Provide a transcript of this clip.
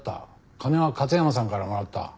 金は勝山さんからもらった。